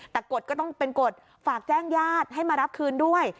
แต่กฎก็ต้องเป็นกฎฝากแจ้งญาติให้มารับคืนด้วย